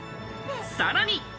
さらに。